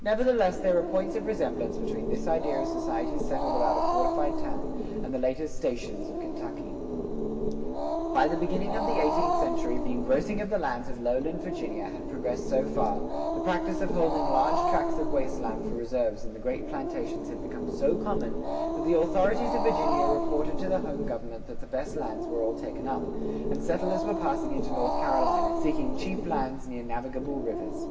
Nevertheless there are points of resemblance between this idea of societies settled about a fortified town and the later "stations" of Kentucky.[87:1] By the beginning of the eighteenth century the engrossing of the lands of lowland Virginia had progressed so far, the practice of holding large tracts of wasteland for reserves in the great plantations had become so common, that the authorities of Virginia reported to the home government that the best lands were all taken up,[87:2] and settlers were passing into North Carolina seeking cheap lands near navigable rivers.